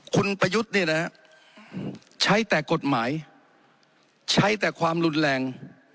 คุณประยุทธ์เนี่ยนะฮะใช้แต่กฎหมายใช้แต่ความรุนแรง